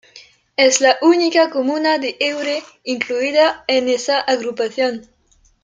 Es la única comuna de Eure incluida en esa agrupación.